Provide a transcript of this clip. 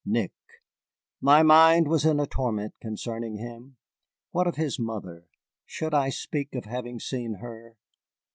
Nick! My mind was in a torment concerning him. What of his mother? Should I speak of having seen her?